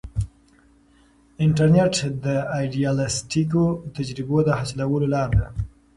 انټرنیټ د ایډیالیسټیکو تجربو د حاصلولو لار ده.